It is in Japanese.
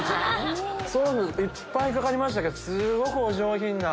ソースいっぱいかかりましたけどすごくお上品な。